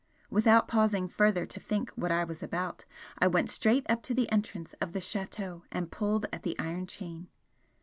Without pausing further to think what I was about, I went straight up to the entrance of the Chateau and pulled at the iron chain.